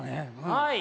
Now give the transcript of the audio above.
はい。